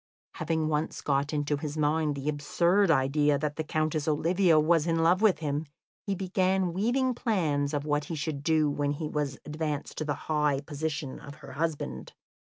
Having once got into his mind the absurd idea that the Countess Olivia was in love with him, he began weaving plans of what he should do when he was advanced to the high position of her husband.